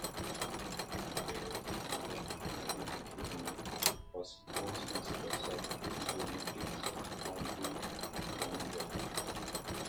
Friel's mother, Mary McLoone, was postmistress of Glenties, County Donegal.